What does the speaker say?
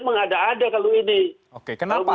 mengada ada kalau ini oke kenapa